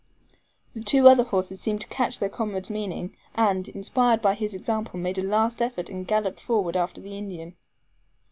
The two other horses seemed to catch their comrade's meaning, and, inspired by his example, made a last effort, and galloped forward after the Indian.